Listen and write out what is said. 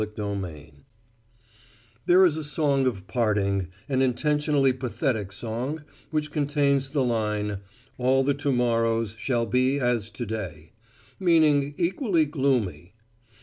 CHAPTER TWENTY FIVE There is a song of parting, an intentionally pathetic song, which contains the line, "All the tomorrows shall be as to day," meaning equally gloomy.